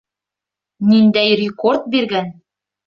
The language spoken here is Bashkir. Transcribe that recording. Ниндәй рекорд биргән!